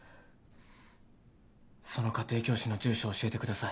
その家庭教師の住所を教えてください。